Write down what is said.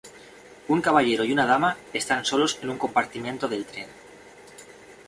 Un caballero y una dama están solos en un compartimento del tren.